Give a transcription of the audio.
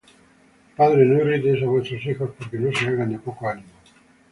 Padres, no irritéis á vuestros hijos, porque no se hagan de poco ánimo.